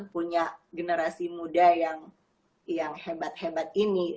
punya generasi muda yang hebat hebat ini